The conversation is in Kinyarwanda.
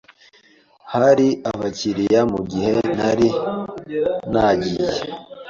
Hari abakiriya mugihe nari nagiye?